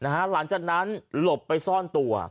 หลังจากนั้นหลบไปซ่อนตัว